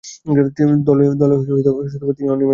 তবে, দলে তিনি অনিয়মিত ছিলেন।